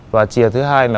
và chìa thứ hai